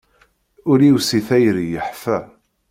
Ul-iw si tayri yeḥfa.